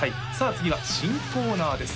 次は新コーナーです